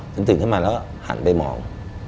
ตื่นขึ้นมาแล้วก็หันไปมอง